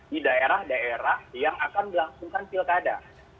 di daerah daerah yang akan melangsungkan pilkada